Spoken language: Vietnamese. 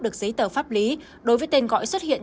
được giấy tờ pháp lý đối với tên gọi xuất hiện